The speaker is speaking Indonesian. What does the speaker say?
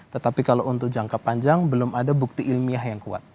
tetapi kalau untuk jangka panjang belum ada bukti ilmiah yang kuat